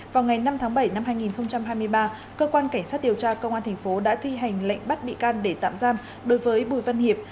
vào ngày năm tháng bảy năm hai nghìn hai mươi ba cơ quan cảnh sát điều tra công an thành phố đã thi hành lệnh bắt bị can để tạm giam đối với bùi văn hiệp